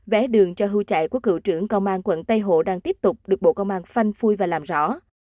vé đường cho hưu trại của cựu trưởng công an quận tây hồ đang tiếp tục được bộ công an phanh phui và làm rõ